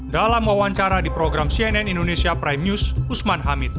dalam wawancara di program cnn indonesia prime news usman hamid